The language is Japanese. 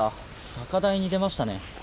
高台に出ましたね。